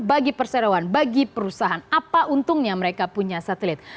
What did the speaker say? bagi perseroan bagi perusahaan apa untungnya mereka punya satelit